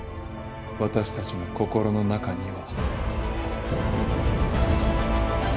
私たちの心の中には。